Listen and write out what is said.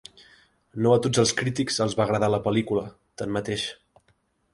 No a tots els crítics els va agradar la pel·lícula, tanmateix.